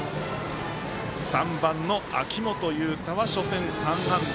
３番の秋元悠汰は初戦３安打。